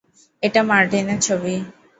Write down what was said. এটা মার্টিনের ছবি।